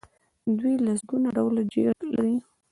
دوی لسګونه ډوله جیټ لري.